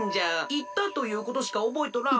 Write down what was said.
いったということしかおぼえとらん。